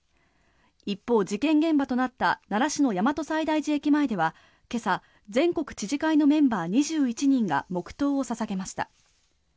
一方、事件現場となった奈良市の大和西大寺駅前では今朝全国知事会のメンバー２１人が黙祷を捧げました。